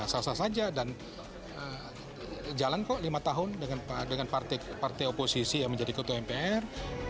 sasa saja dan jalan kok lima tahun dengan partai oposisi yang menjadi ketua mpr